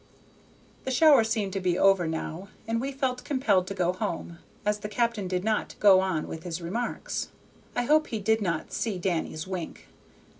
'" The shower seemed to be over now, and we felt compelled to go home, as the captain did not go on with his remarks. I hope he did not see Danny's wink.